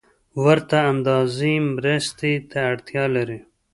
ورته اندازې مرستې ته اړتیا لري